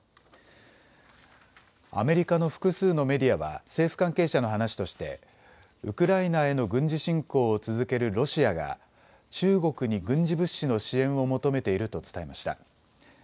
アメリカの複数のメディアは政府関係者の話としてウクライナへの軍事侵攻を続けるロシアが中国に軍事物資の支援を求めていると伝えました。